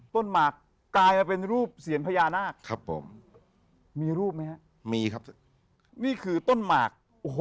ต้นหมากตายมาเป็นรูปเสียรพญานาค